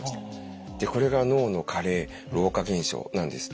これが脳の加齢老化現象なんです。